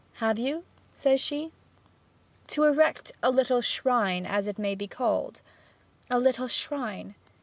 'Have you?' says she. 'To erect a little shrine, as it may be called.' 'A little shrine?'